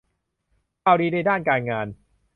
ข่าวดีในด้านการงาน